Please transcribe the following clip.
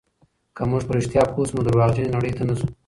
که موږ په رښتیا پوه شو، نو درواغجنې نړۍ ته نه ځو.